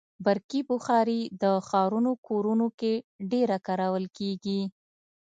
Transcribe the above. برقي بخاري د ښارونو کورونو کې ډېره کارول کېږي.